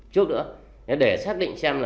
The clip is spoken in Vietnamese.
trước nữa để xác định xem là